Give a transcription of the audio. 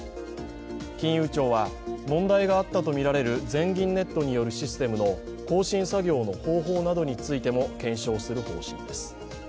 金融庁は問題があったとみられる全銀ネットによるシステムの更新作業の方法などについても検証する方針です。